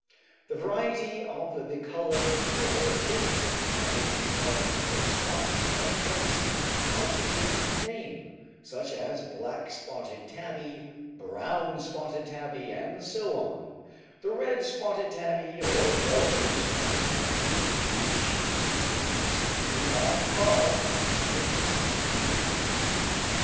The varieties of the ground colour or tint on which these markings or spots are placed constitutes the name, such as black spotted tabby, brown spotted tabby, and so on, the red spotted tabby or yellow spotted tabby in she cats being by far the most scarce.